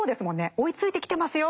追いついてきてますよっていう。